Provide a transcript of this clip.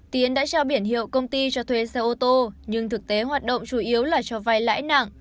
tiến đã cho biển hiệu công ty cho thuê xe ô tô nhưng thực tế hoạt động chủ yếu là cho vay lãi nặng